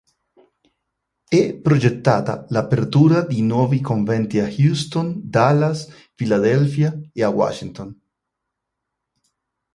È progettata l'apertura di nuovi conventi a Houston, Dallas, Filadelfia e a Washington.